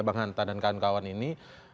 bang hanta dan kawan kawan ini